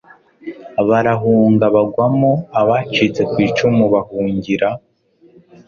barahunga bagwamo abacitse ku icumu bahungira